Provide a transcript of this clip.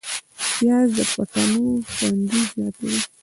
پیاز د فټنو خوند زیاتوي